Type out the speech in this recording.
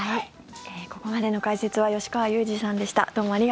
ここまでの解説は吉川祐二さんでした。